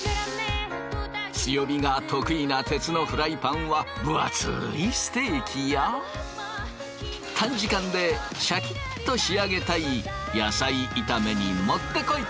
強火が得意な鉄のフライパンは分厚いステーキや短時間でシャキッと仕上げたい野菜炒めにもってこい！